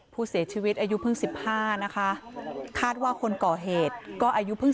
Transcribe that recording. ผู้เสียชีวิตอายุเพิ่ง๑๕นะคะคาดว่าคนก่อเหตุก็อายุเพิ่ง